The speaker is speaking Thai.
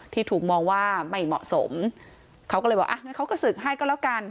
ที่ถูกมองว่าไม่เหมาะสมเขาก็เลยบอกอ่ะงั้นเขาก็ศึกให้ก็แล้วกัน